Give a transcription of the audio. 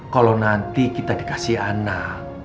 kalau nanti kita dikasih anak